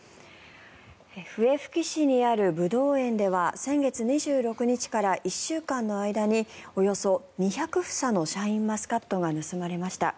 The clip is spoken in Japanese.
笛吹市にあるブドウ園では先月２６日から１週間の間におよそ２００房のシャインマスカットが盗まれました。